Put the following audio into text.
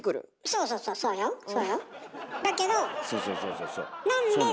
そうそうそうそうそうそうなの。